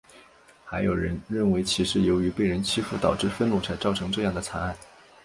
还有人认为其是由于被人欺负导致愤怒才造成这样的惨案。